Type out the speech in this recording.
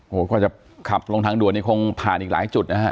โอ้โหกว่าจะขับลงทางด่วนนี่คงผ่านอีกหลายจุดนะฮะ